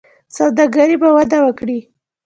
سوداګري به وده وکړي.